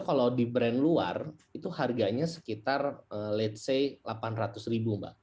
kalau di brand luar harganya sekitar delapan ratus ribu